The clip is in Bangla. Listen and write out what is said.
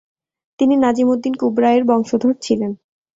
তিনি নাজিম উদ্দিন কুবরা এর বংশধর ছিলেন।